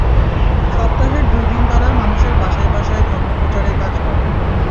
সপ্তাহের দুই দিন তাঁরা মানুষের বাসায় বাসায় ধর্ম প্রচারে কাজ করে।